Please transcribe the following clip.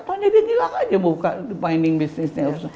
tanya dia gila gak aja buka pining businessnya